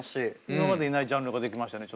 今までにないジャンルが出来ましたね。